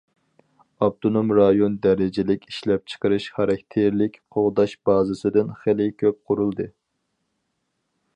ئاپتونوم رايون دەرىجىلىك ئىشلەپچىقىرىش خاراكتېرلىك قوغداش بازىسىدىن خېلى كۆپ قۇرۇلدى.